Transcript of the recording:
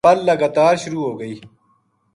پل لگاتار شروع ہوگئی